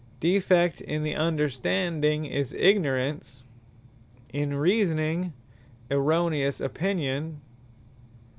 Defect in the Understanding, is Ignorance; in Reasoning, Erroneous Opinion.